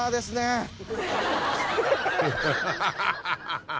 ハハハハハ！